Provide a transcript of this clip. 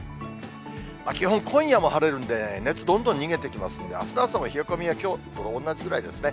基本、今夜も晴れるんで、熱、どんどん逃げていきますんで、あすの朝も冷え込みはきょうと同じくらいですね。